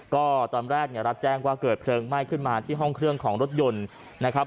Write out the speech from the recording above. ก็ตอนแรกเนี่ยรับแจ้งว่าเกิดเพลิงไหม้ขึ้นมาที่ห้องเครื่องของรถยนต์นะครับ